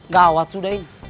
gawat sudah ini